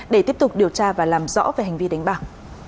để tiếp tục điều tra và làm rõ về hành vi đánh bạc